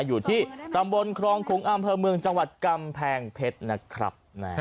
อยู่ที่ตำบลครองขุงอำเภอเมืองจังหวัดกำแพงเพชรนะครับ